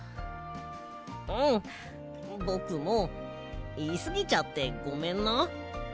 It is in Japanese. うんぼくもいいすぎちゃってごめんな。